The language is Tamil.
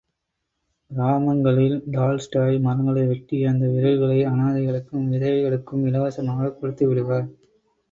கிராமங்களில் டால்ஸ்டாய் மரங்களை வெட்டி, அந்த விறகுகளை அநாதைகளுக்கும் விதவைகளுக்கும் இலவசமாகக் கொடுத்துவிடுவார்.